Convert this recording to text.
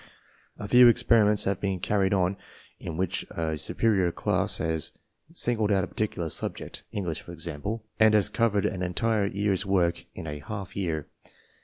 A few experiments have been carried on in which a su perior class has singled out a particular subject — English, for example — and has covered an entire year's work in a half year.